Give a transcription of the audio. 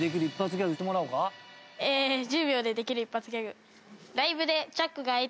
えー１０秒でできる一発ギャグ。